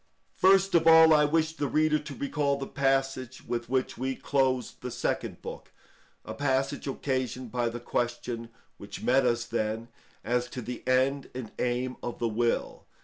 First of all, I wish the reader to recall the passage with which we closed the Second Book,—a passage occasioned by the question, which met us then, as to the end and aim of the will.